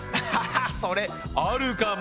それあるかも。